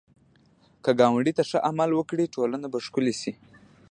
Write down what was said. که ګاونډي ته ښه عمل وکړې، ټولنه به ښکلې شي